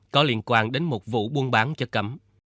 có liên quan đến một vụ buôn bán chất cấm